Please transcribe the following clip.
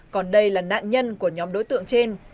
còn đây là nạn nhân của nhóm đối tượng trên